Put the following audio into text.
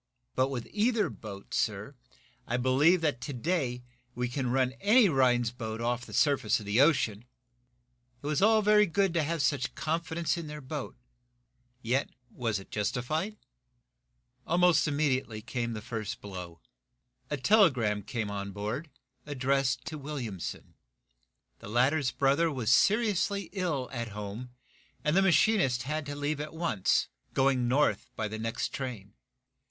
But with either boat, sir, I believe that, to day, we can run any Rhinds boat off the surface of the ocean!" It was all very good to have such confidence in their boat. Yet was it to be justified? Almost immediately came the first blow. A telegram came on board, addressed to Williamson. The latter's brother was seriously ill at home, and the machinist had to leave at once, going north by the next train.